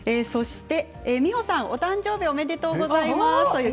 美穂さん、お誕生日おめでとうございますと